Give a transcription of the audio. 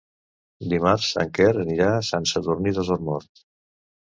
Dimarts en Quer anirà a Sant Sadurní d'Osormort.